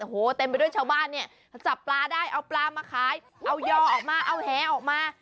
โอ้โหเต็มไปด้วยชาวบ้านเนี่ยจับปลาได้เอาปลามาขายเอายอออกมาเอาแหออกมา